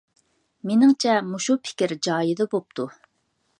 مېنىڭچە، مۇشۇ پىكىر جايىدا بوپتۇ.